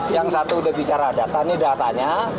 yang satu udah bicara data ini datanya